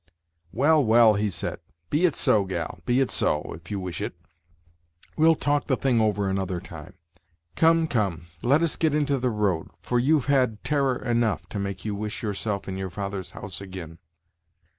"Well, well," he said, "be it so, gal; let it be so, if you wish it we'll talk the thing over another time. Come, come let us get into the road, for you've had terror enough to make you wish yourself in your father's house agin."